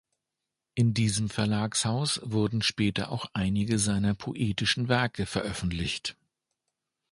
In diesem Verlagshaus wurden später auch einige seiner poetischen Werke veröffentlicht.